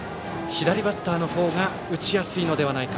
左バッターの方が打ちやすいのではないか。